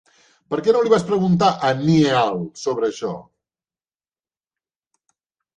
Per què no li vas preguntar a en Neal sobre això?